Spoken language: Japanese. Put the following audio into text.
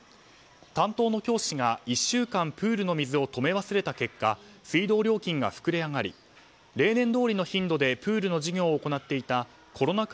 担当の教師が１週間プールの水を止め忘れた結果水道料金が膨れ上がり例年どおりの頻度でプールの授業を行っていたコロナ禍